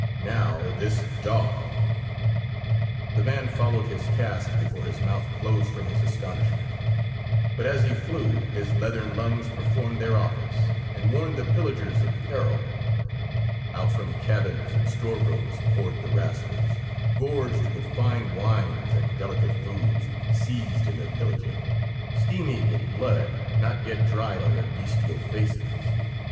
"Now this dog!" The man followed his cask before his mouth closed from his astonishment; but as he flew his leathern lungs performed their office and warned the pillagers of peril. Out from cabins and storerooms poured the rascals, gorged with fine wines and delicate foods seized in their pillaging; steamy with blood not yet dried on their bestial faces.